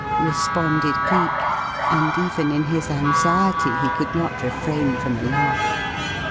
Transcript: responded Cleek, and even in his anxiety he could not refrain from a laugh.